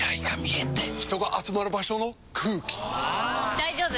大丈夫！